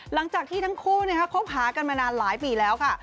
หลังจากที่ทั้งคู่คบหากันมานานหลายปีแล้วค่ะ